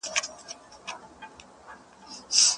ښوونکی به لارښوونه وکړي او تدريس به اغېزمن سي.